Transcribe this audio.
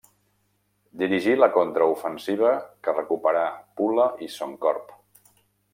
Dirigí la contraofensiva que recuperà Pula i Son Corb.